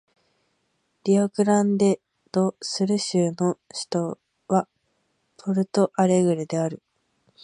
リオグランデ・ド・スル州の州都はポルト・アレグレである